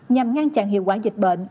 nhằm ngăn chặn hiệu quả dịch bệnh